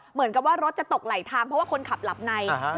เหมือนกับว่ารถจะตกไหลทางเพราะว่าคนขับหลับใน